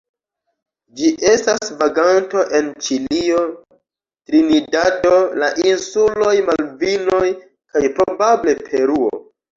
Ĝi estas vaganto en Ĉilio, Trinidado, la insuloj Malvinoj kaj probable Peruo.